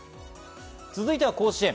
続いては甲子園。